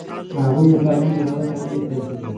هغوی د تعلیم دروازه تړلې پرېښوده.